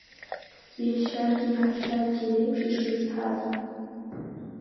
Иашьаки иаҳәшьаки реиԥш, ишрызҳаз.